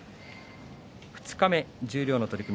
二日目十両の取組